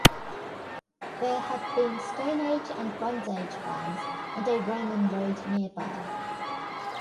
There have been Stone Age and Bronze Age finds and a Roman road nearby.